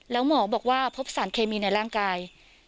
แล้วหมอบอกว่าพบสารเคมีในร่างกาย